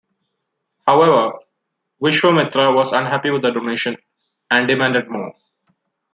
However, Vishwamitra was unhappy with the donation, and demanded more.